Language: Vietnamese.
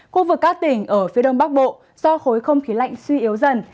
khu vực các tỉnh ở phía đông bắc bộ do khối không khí lạnh suy yếu dần